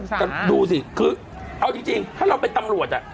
อันนี้เขาบอกว่าดูสิเอาจริงถ้าเราเป็นตำรวจ